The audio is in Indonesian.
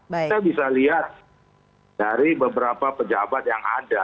kita bisa lihat dari beberapa pejabat yang ada